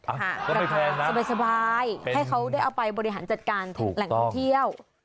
ก็ไม่แพงนะสบายให้เขาได้เอาไปบริหารจัดการแหล่งท่องเที่ยวถูกต้อง